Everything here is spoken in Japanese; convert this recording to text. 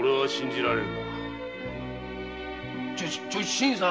新さん！